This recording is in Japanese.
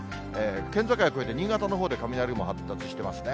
県境を越えて新潟のほうで雷雲発達してますね。